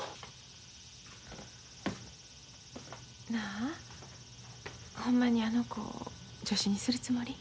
なあほんまにあの子を助手にするつもり？